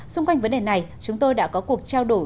xung quanh vấn đề này chúng tôi đã có cuộc trao đổi